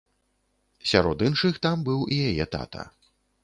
Сярод іншых там быў і яе тата.